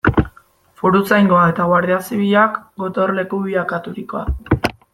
Foruzaingoa eta Guardia Zibilak gotorleku bilakaturikoa.